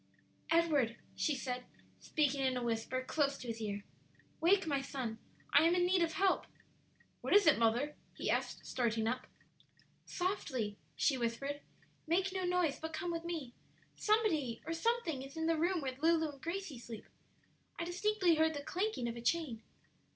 "Edward," she said, speaking in a whisper close to his ear, "wake, my son; I am in need of help." "What is it, mother?" he asked, starting up. "Softly," she whispered; "make no noise, but come with me. Somebody or something is in the room where Lulu and Gracie sleep. I distinctly heard the clanking of a chain."